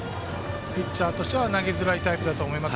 ピッチャーとしては投げづらいと思います。